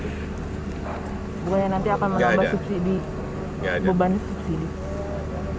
pokoknya nanti akan menambah subsidi beban subsidi